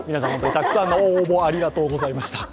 たくさんの応募ありがとうございました。